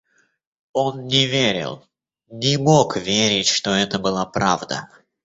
Он не верил, не мог верить, что это была правда.